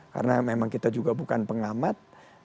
karena memang kita juga bukan pengamat